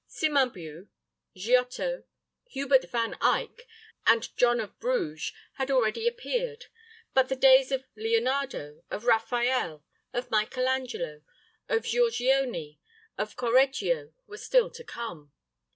Cimabue, Giotto, Hubert van Eyk, and John of Bruges had already appeared; but the days of Leonardo, of Raphael, of Michael Angelo, of Giorgione, and of Correggio were still to come.